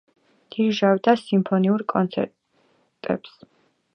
დირიჟორობდა სიმფონიურ კონცერტებს.